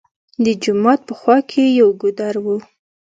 د جومات په خوا کښې يو ګودر وو